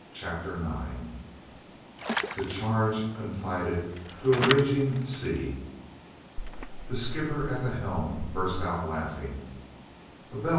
CHAPTER IX. THE CHARGE CONFIDED TO A RAGING SEA. The skipper, at the helm, burst out laughing, "A bell!